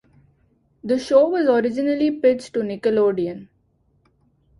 The show was originally pitched to Nickelodeon.